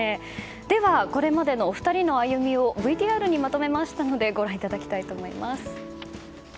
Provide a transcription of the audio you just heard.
ではこれまでのお二人の歩みをＶＴＲにまとめましたのでご覧いただきたいと思います。